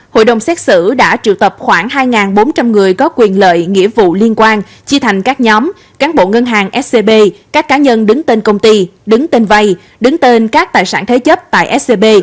hội đồng xét xử đã triệu tập khoảng hai bốn trăm linh người có quyền lợi nghĩa vụ liên quan chi thành các nhóm cán bộ ngân hàng scb các cá nhân đứng tên công ty đứng tên vay đứng tên các tài sản thế chấp tại scb